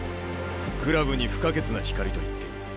クラブに不可欠な光と言っていい。